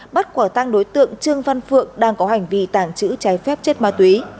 bắt quả tăng đối tượng trương văn phượng đang có hành vi tàng trữ trái phép chất ma túy